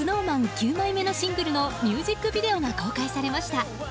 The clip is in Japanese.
９枚目のシングルのミュージックビデオが公開されました。